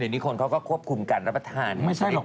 นี่คนเขาก็ควบคุมกันรับประทานให้ได้ตอน